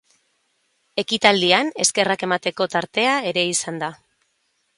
Ekitaldian, eskerrak emateko tartea ere izan da.